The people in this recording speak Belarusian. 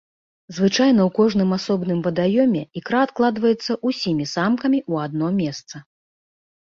Звычайна ў кожным асобным вадаёме ікра адкладваецца ўсімі самкамі ў адно месца.